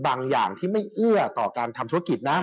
บางอย่างที่ไม่เอ้ยการทำธุรกิจของฮาคาร์เนี่ย